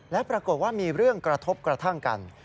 และปรากฏว่ามีเรื่องกระทบกระทั่งกัน